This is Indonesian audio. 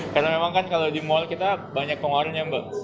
karena memang kan kalau di mall kita banyak pengaruhnya mbak